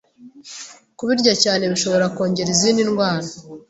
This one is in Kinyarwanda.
Kubirya cyane bishobora kongera izi ndwara